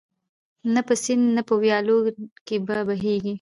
نه په سیند نه په ویالو کي به بهیږي